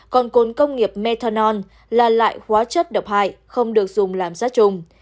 còn cốn công nghiệp methanol là loại hóa chất độc hại không được dùng làm sát trùng